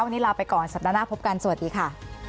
วันนี้ลาไปก่อนสัปดาห์หน้าพบกันสวัสดีค่ะ